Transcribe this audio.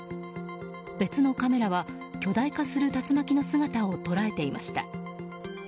別のカメラは巨大化する竜巻の姿を捉えていました。